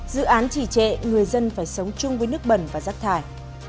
dự án chỉ trệ người dân phải sống chung với nước bẩn và rác thải